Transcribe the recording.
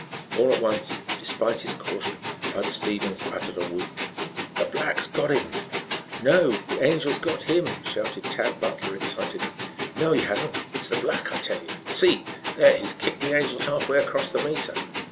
All at once, despite his caution, Bud Stevens uttered a whoop. "The black's got him!" "No, the Angel's got him!" shouted Tad Butler excitedly. "No, he hasn't! It's the black, I tell you. See! There, he's kicked the Angel halfway across the mesa."